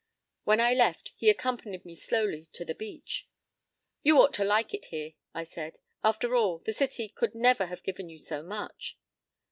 p> When I left, he accompanied me slowly to the beach. "You ought to like it here," I said. "After all, the city could never have given you so much."